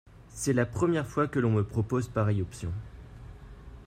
C’est la première fois que l’on me propose pareille option.